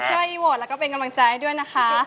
ช่วยโหวตแล้วก็เป็นกำลังใจให้ด้วยนะคะ